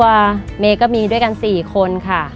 เพราะว่าเมก็มีด้วยกัน๔คนค่ะ